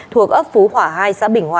thuộc ấp phú hỏa hai xã bình hòa